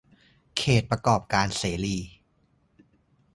เขตประกอบการเสรี